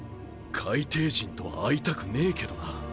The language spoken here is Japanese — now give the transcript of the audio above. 海底人とは会いたくねえけどな。